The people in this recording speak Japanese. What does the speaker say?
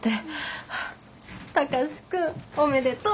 貴司君おめでとう。